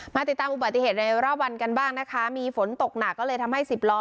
ติดตามอุบัติเหตุในรอบวันกันบ้างนะคะมีฝนตกหนักก็เลยทำให้สิบล้อ